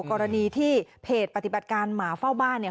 กรณีที่เพจปฏิบัติการหมาเฝ้าบ้านเนี่ย